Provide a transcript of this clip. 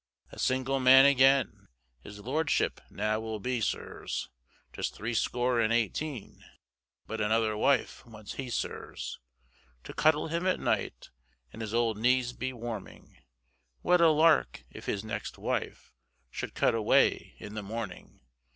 A single man again, His lordship now will be, sirs, Just threescore and eighteen, But another wife wants he, sirs, To cuddle him at night, And his old knees be warming, What a lark if his next wife Should cut away in the morning.